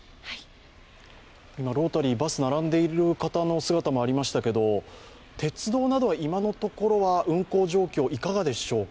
ロータリー、バス並んでいる方の姿もありましたけど鉄道などは今のところは運行状況、いかがでしょうか。